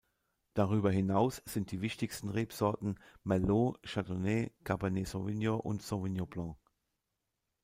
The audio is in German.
Darüber hinaus sind die wichtigsten Rebsorten Merlot, Chardonnay, Cabernet Sauvignon und Sauvignon Blanc.